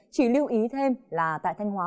chỉ lưu ý thêm là tại thanh hóa